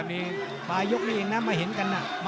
โหโหโหโหโหโหโหโหโหโห